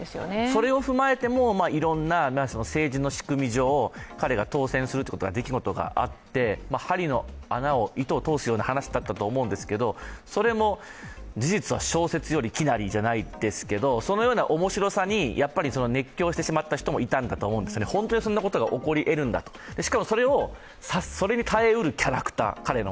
それを踏まえても、いろんな政治の仕組み上、彼が当選するという出来事があって針に糸を通すような話だったと思うんですけどそれも事実は小説より奇なりじゃないですけど、そのような面白さに熱狂してしまった人もいたと思うんですよね、本当にそんなことが起こりえるんだと、しかもそれに耐え得る彼のキャラクター彼の。